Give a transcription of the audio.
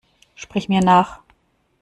Sprich mir nach!